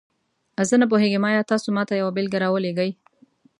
زه نه پوهیږم، آیا تاسو ماته یوه بیلګه راولیږئ؟